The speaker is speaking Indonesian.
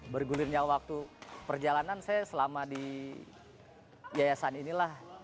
bergulirnya waktu perjalanan saya selama di yayasan inilah